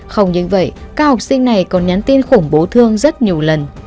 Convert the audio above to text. không những vậy các học sinh này còn nhắn tin khủng bố thương rất nhiều lần